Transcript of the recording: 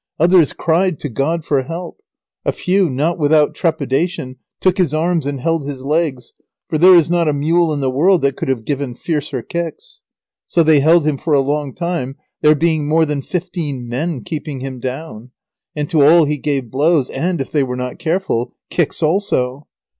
Others cried to God for help. A few, not without trepidation, took his arms and held his legs, for there is not a mule in the world that could have given fiercer kicks. So they held him for a long time, there being more than fifteen men keeping him down, and to all he gave blows, and, if they were not careful, kicks also.